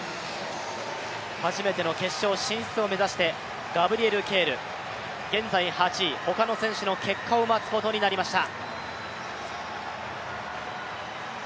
初めての決勝進出を目指してガブリエル・ケール、現在８位、他の選手の結果を待つことになりました。